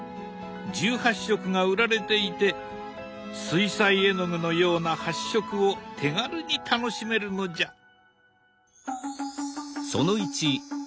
１８色が売られていて水彩絵の具のような発色を手軽に楽しめるのじゃ。